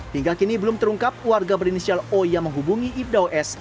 hingga kini belum terungkap warga berinisial o yang menghubungi ibdao s